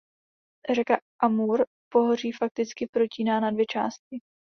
Řeka Amur pohoří fakticky protíná na dvě části.